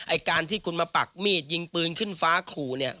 ไอ้การที่คุณมาปักมีดยิงปืนขึ้นฟ้าขู่เนี่ย